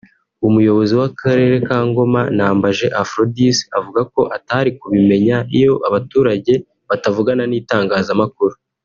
umuyobozi w’ akarere ka Ngoma Nambaje Aphrodis avuga ko atari kubimenya iyo abaturage batavugana n’itangazamakuru